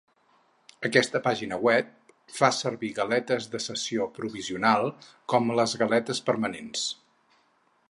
Aquesta pàgina web fa servir galetes de sessió provisional com les galetes permanents.